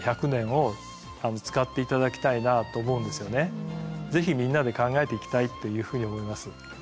何よりもぜひみんなで考えていきたいというふうに思います。